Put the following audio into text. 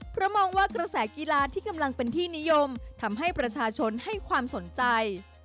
เพราะมองว่ากระแสกีฬาที่กำลังเป็นที่นิยมทำให้ประชาชนให้ความสนใจ